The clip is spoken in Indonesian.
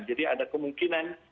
jadi ada kemungkinan